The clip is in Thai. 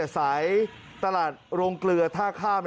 สายตลาดโรงเกลือท่าข้าม